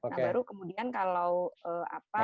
nah baru kemudian kalau apa